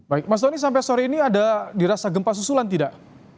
baik mas doni sampai sore ini ada dirasa gempa susulan tidak